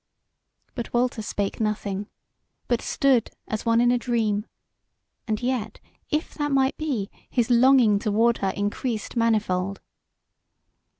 But Walter spake nothing, but stood as one in a dream; and yet, if that might be, his longing toward her increased manifold.